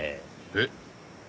えっ？